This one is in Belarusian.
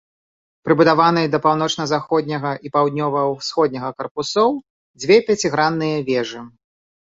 Прыбудаваныя да паўночна-заходняга і паўднёва-ўсходняга карпусоў дзве пяцігранныя вежы.